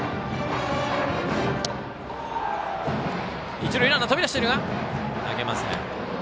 一塁ランナー飛び出しているが投げません。